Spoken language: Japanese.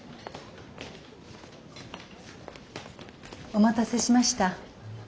お待たせしました。